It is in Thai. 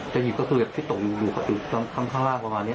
จะหยุดเค้าถูกตกอยู่ข้างล่างว่ามานี้